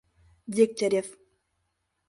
Дегтярев.